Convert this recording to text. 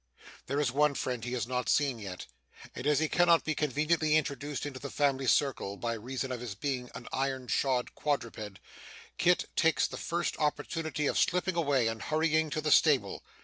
There is one friend he has not seen yet, and as he cannot be conveniently introduced into the family circle, by reason of his being an iron shod quadruped, Kit takes the first opportunity of slipping away and hurrying to the stable.